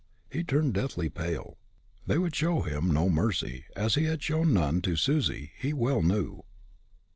He turned deathly pale; they would show him no mercy, as he had shown none to Susie, he well knew.